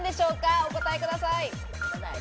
お答えください。